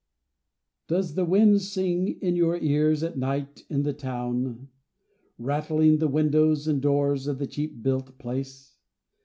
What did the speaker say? DOES the wind sing in your ears at night, in the town, Rattling the windows and doors of the cheap built place?